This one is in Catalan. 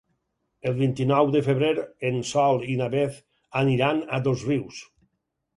El vint-i-nou de febrer en Sol i na Beth aniran a Dosrius.